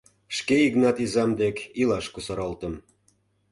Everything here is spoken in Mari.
Шке Игнат изам дек илаш кусаралтым.